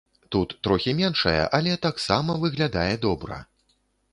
Тут трохі меншая, але таксама выглядае добра.